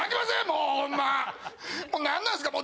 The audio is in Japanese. もう何なんすか！